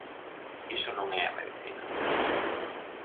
Iso non é a medicina.